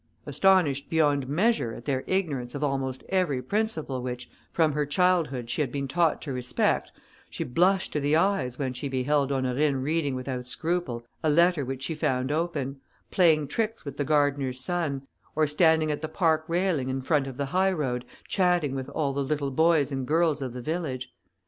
Astonished beyond measure, at their ignorance of almost every principle which, from her childhood, she had been taught to respect, she blushed to the eyes when she beheld Honorine reading without scruple a letter which she found open, playing tricks with the gardener's son, or standing at the park railing, in front of the high road, chatting with all the little boys and girls of the village.